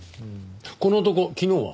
この男昨日は？